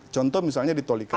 contoh misalnya di tolikara